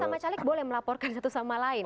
sama caleg boleh melaporkan satu sama lain